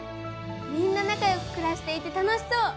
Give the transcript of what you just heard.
みんな仲よく暮らしていて楽しそう！